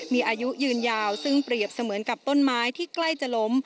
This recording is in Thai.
มีอายุยืนยาวซึ่งเปรียบเสมือนกับต้นไม้ที่ใกล้จะล้ม